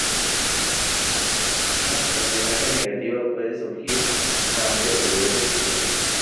Una auto imagen negativa pueden surgir por una amplia variedad de factores.